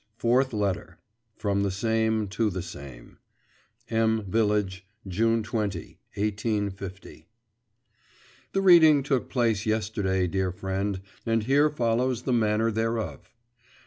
FOURTH LETTER From the SAME to the SAME M VILLAGE, June 20, 1850. The reading took place yesterday, dear friend, and here follows the manner thereof.